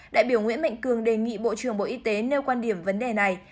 đại biểu nguyễn mạnh cường đề nghị bộ trưởng bộ y tế nêu quan điểm vấn đề này